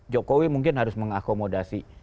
jokowi mungkin harus mengakomodasi